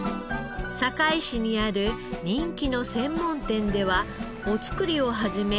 堺市にある人気の専門店ではお造りを始め